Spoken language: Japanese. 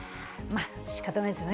まあ、しかたないですね。